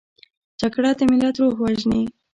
جګړه د ملت روح وژني